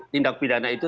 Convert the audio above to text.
tindak pidana itu